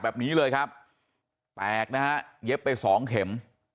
แบบนี้เลยครับแตกนะฮะเย็บไปสองเข็ม